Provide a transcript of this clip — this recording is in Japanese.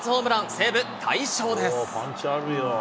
西武、大勝です。